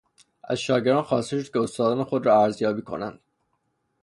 از شاگردان خواسته شد که استادان خود را ارزیابی کنند.